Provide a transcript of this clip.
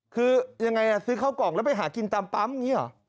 คือยังไงซื้อข้าวกล่องแล้วไปหากินตามปั๊มอย่างนี้หรอ